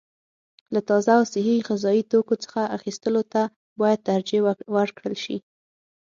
له تازه او صحي غذايي توکو څخه اخیستلو ته باید ترجیح ورکړل شي.